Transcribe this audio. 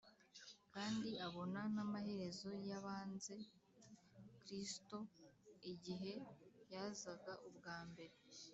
kandi abona n’amaherezo y’abanze kristo igihe yazaga ubwa mbere: